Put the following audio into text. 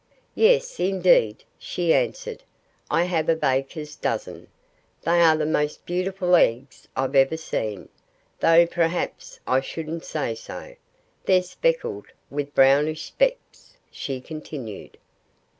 "Yes, indeed!" she answered. "I have a baker's dozen! They are the most beautiful eggs I've ever seen though perhaps I shouldn't say so. ... They're speckled with brownish specks," she continued.